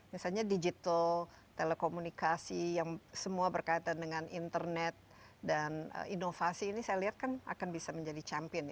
misalnya digital telekomunikasi yang semua berkaitan dengan internet dan inovasi ini saya lihat kan akan bisa menjadi champion